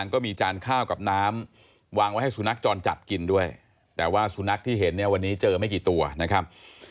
ก็จะพากันมาอย่างนี้ครับ